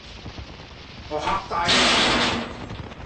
我嚇大㗎